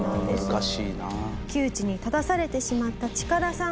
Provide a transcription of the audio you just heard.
窮地に立たされてしまったチカダさん。